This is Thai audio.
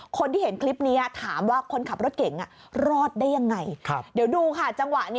คนที่เห็นคลิปนี้อ่ะถามว่าคนขับรถเก๋งอ่ะรอดได้ยังไง